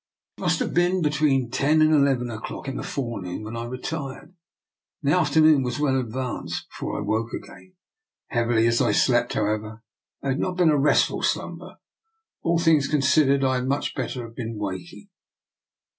It must have been between ten and eleven o'clock in the forenoon when I retired; and the afternoon was well advanced before I woke again. Heavily as I slept, however, it had not been restful slumber. All things DR. NIKOLA'S EXPERIMENT. 177 considered, I had much better have been waking.